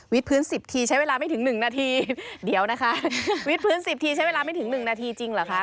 พื้นสิบทีใช้เวลาไม่ถึงหนึ่งนาทีเดี๋ยวนะคะวิทพื้นสิบทีใช้เวลาไม่ถึงหนึ่งนาทีจริงเหรอคะ